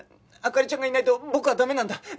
灯ちゃんがいないと僕は駄目なんだ。